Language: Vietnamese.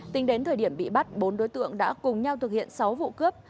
tính đến thời điểm bị bắt bốn đối tượng đã cùng nhau thực hiện sáu vụ cướp